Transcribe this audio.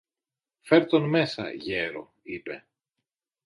Φερ' τον μέσα, γέρο, είπε.